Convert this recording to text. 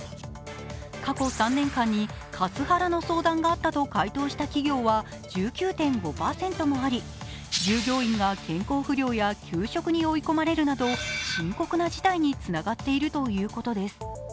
過去３年間にカスハラの相談があったと回答した企業は１９．５％もあり従業員が健康不良や休職に追い込まれるなど深刻な事態につながっているということです。